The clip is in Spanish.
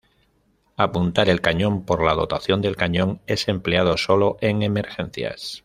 Apuntar el cañón por la dotación del cañón es empleado solo en emergencias.